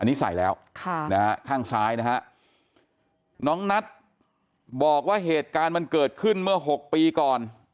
อันนี้ใส่แล้วข้างซ้ายนะฮะน้องนัทบอกว่าเหตุการณ์มันเกิดขึ้นเมื่อ๖ปีก่อน